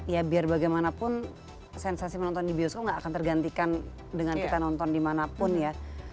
ya biar bagaimanapun sensasi menonton di bioskop nggak akan tergantikan dengan kita nonton dimanapun ya